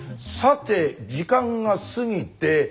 さて時間が過ぎて。